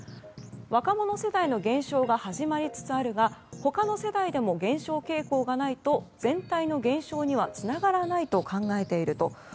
若者世代の減少が始まりつつあるが他の世代でも減少傾向がないと全体の減少にはつながらないと考えていると。